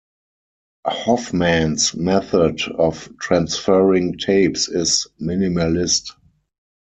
Hoffman's method of transferring tapes is minimalist.